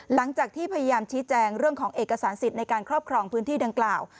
หลังจากที่พยายามชี้แจงเรื่องของเอกสารสิทธิ์ในการครอบครองพื้นที่ดังกล่าว